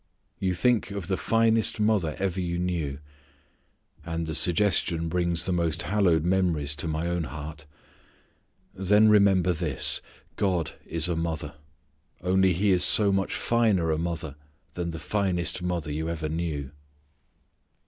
You think of the finest mother ever you knew. And the suggestion brings the most hallowed memories to my own heart. Then remember this: God is a mother, only He is so much finer a mother than the finest mother you ever knew.